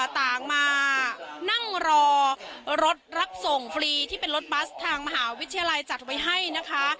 ต่างมานั่งรอรถรับส่งฟรีที่เป็นรถบัสทางมหาวิทยาลัยจัดไว้ให้นะคะ